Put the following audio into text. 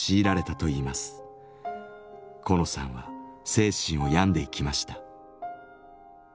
コノさんは精神を病んでいきました。